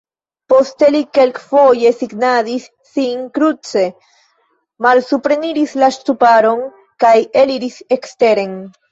Poste li kelkfoje signadis sin kruce, malsupreniris la ŝtuparon kaj eliris eksteren.